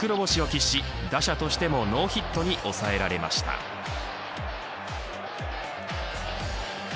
今シーズン初黒星を喫し打者としてもノーヒットに抑えられました。